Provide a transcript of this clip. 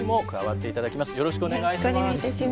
よろしくお願いします。